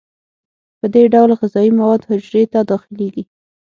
په دې ډول غذایي مواد حجرې ته داخلیږي.